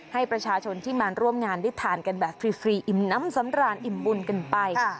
ให้ประชาชนที่มาร่วมงานได้ทานกันแบบฟรีอิ่มน้ำสำราญอิ่มบุญกันไป